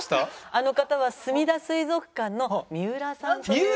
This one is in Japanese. あの方はすみだ水族館の三浦さんという方だそうですね。